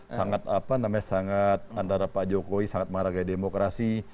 sangat apa namanya sangat antara pak jokowi sangat marah kayak demokrasi